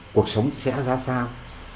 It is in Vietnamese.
cuộc sống sẽ ra sao